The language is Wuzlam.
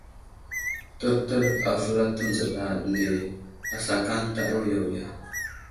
Təryər avəlato dzəɗa nde asakaŋ ta awiya wiga.